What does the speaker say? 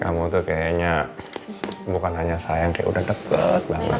kamu tuh kayaknya bukan hanya sayang dia udah deket banget